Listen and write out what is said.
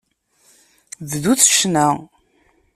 Bdut ccna.